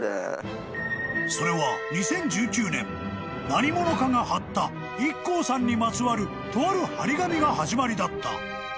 ［それは２０１９年何者かがはったＩＫＫＯさんにまつわるとあるはり紙が始まりだった］